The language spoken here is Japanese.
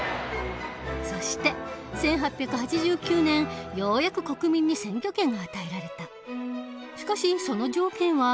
そして１８８９年ようやく国民に選挙権が与えられた。